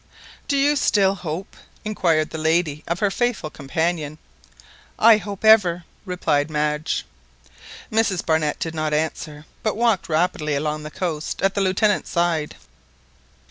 "Do you still hope!" inquired the lady of her faithful companion. "I hope ever!" replied Madge. Mrs Barnett did not answer, but walked rapidly along the coast at the Lieutenant's side.